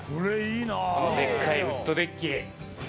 このでっかいウッドデッキ。